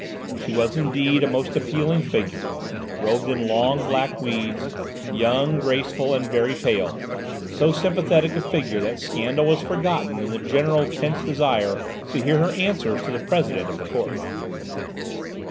She was, indeed, a most appealing figure, robed in long black weeds, young, graceful, and very pale, so sympathetic a figure that scandal was forgotten in the general tense desire to hear her answers to the President of the Court.